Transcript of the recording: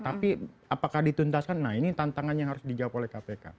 tapi apakah dituntaskan nah ini tantangan yang harus dijawab oleh kpk